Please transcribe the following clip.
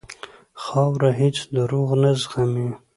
خاوره هېڅ دروغ نه زغمي.